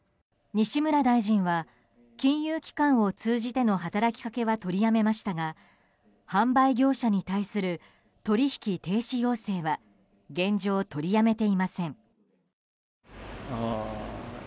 西村大臣は金融機関を通じての働きかけは取りやめましたが販売業者に対する取引停止要請は現状、取りやめていません。